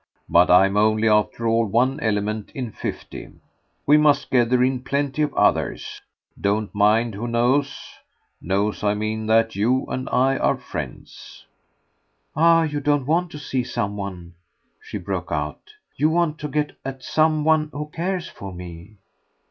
But I'm only, after all, one element in fifty. We must gather in plenty of others. Don't mind who knows. Knows, I mean, that you and I are friends." "Ah you do want to see some one!" she broke out. "You want to get at some one who cares for me."